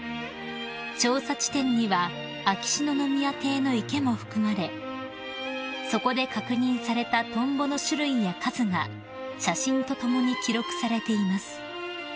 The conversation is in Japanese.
［調査地点には秋篠宮邸の池も含まれそこで確認されたトンボの種類や数が写真と共に記録されています］